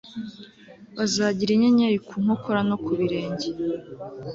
bazagira inyenyeri ku nkokora no ku birenge